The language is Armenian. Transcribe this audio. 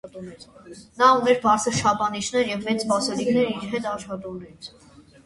Նա ուներ բարձր չափանիշներ և մեծ սպասելիքեր իր հետ աշխատողներից։